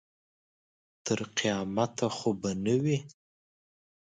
تر قیامته خو به نه وي.